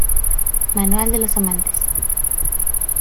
Manual de los amantes".